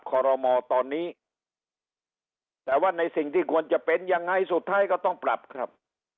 ขอรมอตอนนี้แต่ว่าในสิ่งที่ควรจะเป็นยังไงสุดท้ายก็ต้องปรับครับ